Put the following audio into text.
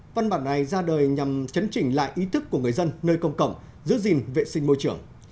văn bản này ra đời nhằm chấn chỉnh lại ý thức của người dân nơi công cộng giữ gìn vệ sinh môi trường